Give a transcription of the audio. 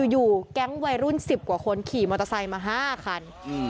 อยู่แก๊งวัยรุ่นสิบกว่าคนขี่มอกอนไดมา๕คัน